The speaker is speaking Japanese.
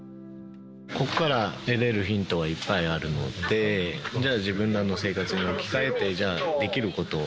ここから得れるヒントはいっぱいあるので、自分らの生活に置き換えて、じゃあできることを。